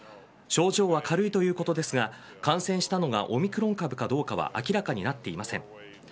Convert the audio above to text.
症状は軽いということですが感染したのがオミクロン株かどうかは明らかになっていません。